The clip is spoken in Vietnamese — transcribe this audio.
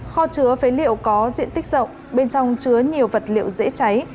kho chứa phế liệu có diện tích rộng bên trong chứa nhiều vật liệu dễ cháy